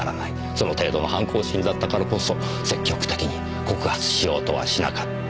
その程度の反抗心だったからこそ積極的に告発しようとはしなかった。